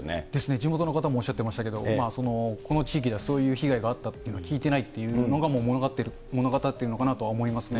地元の方もおっしゃってましたけど、この地域ではそういう被害があったっていうのは聞いてないというのが、物語っているのかなとは思いますね。